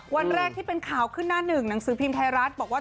วันแรกที่เป็นข่าวขึ้นหน้าหนึ่งหนังสือพิมพ์ไทยรัฐบอกว่า